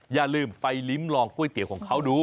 อย่าลืมไปลิ้มลองก๋วยเตี๋ยวของเขาดู